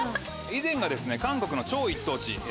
以前が韓国の超一等地